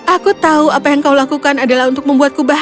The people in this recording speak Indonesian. aku tahu apa yang kau lakukan adalah untuk membuatku bahagia